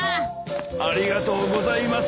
ありがとうございます。